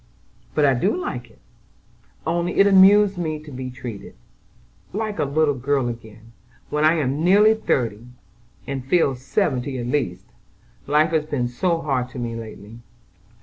"But I do like it; only it amused me to be treated like a little girl again, when I am nearly thirty, and feel seventy at least, life has been so hard to me lately."